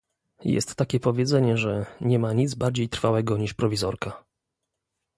Jest takie powiedzenie, że "nie ma nic bardziej trwałego niż prowizorka"